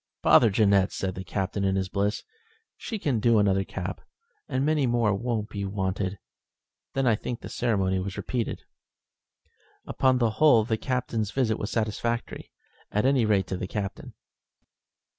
"Bother Jeannette," said the Captain in his bliss. "She can do another cap, and many more won't be wanted." Then I think the ceremony was repeated. Upon the whole the Captain's visit was satisfactory at any rate to the Captain.